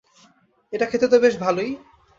এটা খেতে তো বেশ ভালোই।